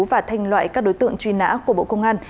và thanh loại các đối tượng truy nã của bộ công an